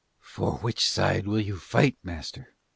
"For which side will you fight, master?"